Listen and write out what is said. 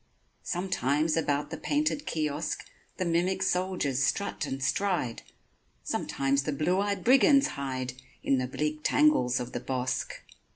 Sometimes about the painted kiosk The mimic soldiers strut and stride, Sometimes the blue eyed brigands hide In the bleak tangles of the bosk.